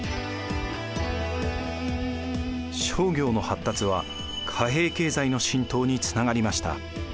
商業の発達は貨幣経済の浸透につながりました。